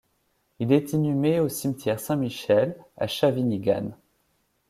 Il est inhumé au cimetière St-Michel, à Shawinigan.